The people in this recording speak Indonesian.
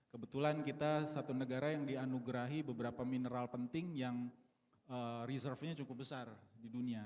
kebetulan kita satu negara yang dianugerahi beberapa mineral penting yang reserve nya cukup besar di dunia